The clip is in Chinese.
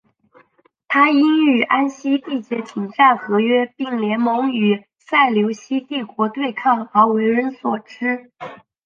他因与安息缔结停战和约并联盟与塞琉西帝国对抗而为人所知。